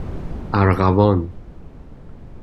ارغوان